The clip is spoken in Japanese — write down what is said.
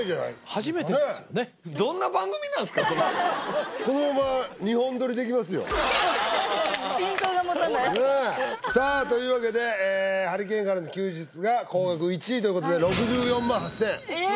初めてですよねいやいやいやいや心臓が持たないさあというわけでハリケーンからの救出が高額１位ということで６４万８０００円え！